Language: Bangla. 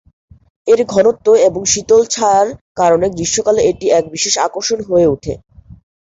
এর ঘনত্ব এবং শীতল ছায়ার কারণে গ্রীষ্মকালে এটি এক বিশেষ আকর্ষণ হয়ে উঠে।